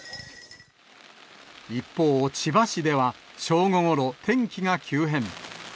一方千葉市では、正午ごろ、天気が急変。